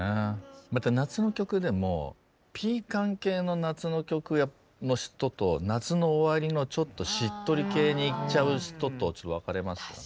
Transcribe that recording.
また夏の曲でもピーカン系の夏の曲の人と夏の終わりのちょっとしっとり系にいっちゃう人と分かれますよね。